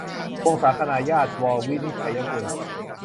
วงศาคณาญาติ - ว วินิจฉัยกุล